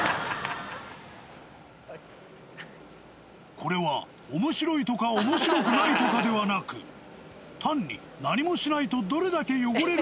これはおもしろいとか、おもしろくないとかではなく、単に何もしないと、どれだけ汚れえっ？